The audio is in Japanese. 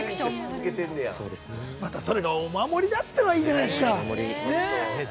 またそれがお守りだってのがいいじゃないですか。